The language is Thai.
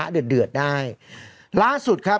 ไปฟังเสียหายแล้วก็ผู้จัดงานกันสักนิดหนึ่งนะครับ